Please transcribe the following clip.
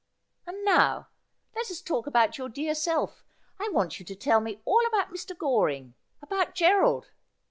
And now, let us talk about your dear self. I want you to tell me all about Mr. Goring ; about G erald.